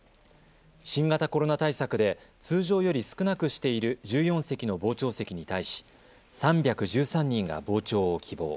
新型コロナ対策で通常より少なくしている１４席の傍聴席に対し３１３人が傍聴を希望。